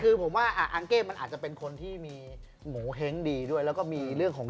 คือผมว่าอังเก้มันอาจจะเป็นคนที่มีโงเห้งดีด้วยแล้วก็มีเรื่องของ